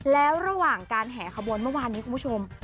แล้วระหว่างการแห่ขบวนเมื่อวานนี้คุณผู้ชม